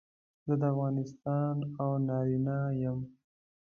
زه د افغانستان او نارینه یم.